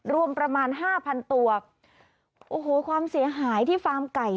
รวมประมาณห้าพันตัวโอ้โหความเสียหายที่ฟาร์มไก่